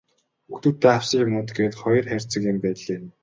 Хүүхдүүддээ авсан юмнууд гээд хоёр хайрцаг юм байнлээ.